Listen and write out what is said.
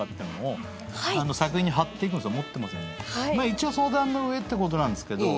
一応相談の上ってことなんですけど。